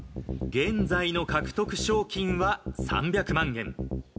現在の獲得賞金は３００万円。